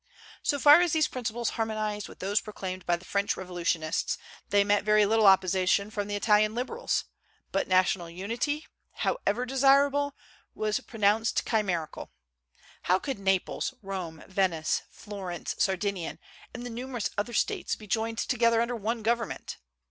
So far as these principles harmonized with those proclaimed by the French revolutionists, they met very little opposition from the Italian liberals; but national unity, however desirable, was pronounced chimerical. How could Naples, Rome, Venice, Florence, Sardinia, and the numerous other States, be joined together under one government?